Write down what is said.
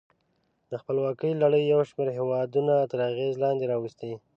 د خپلواکیو لړۍ یو شمیر هېودونه تر اغېز لاندې راوستي.